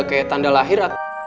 kayak tanda lahir